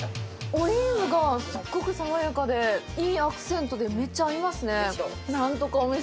オリーブがすっごく爽やかでいいアクセントでめっちゃ合いますね